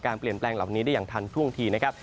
เปลี่ยนแปลงเหล่านี้ได้อย่างทันท่วงทีนะครับ